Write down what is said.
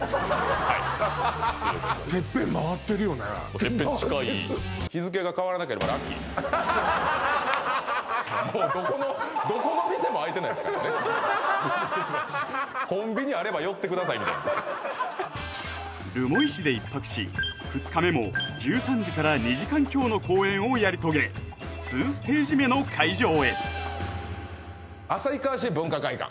はいてっぺん近いもうどこもみたいな留萌市で１泊し２日目も１３時から２時間強の公演をやり遂げ２ステージ目の会場へ旭川市文化会館